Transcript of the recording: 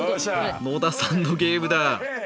野田さんのゲームだ。